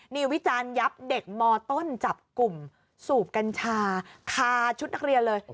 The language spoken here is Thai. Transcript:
นี่วิจารณ์ยับเด็กมต้นจับกลุ่มสูบกัญชาคาชุดนักเรียนเลย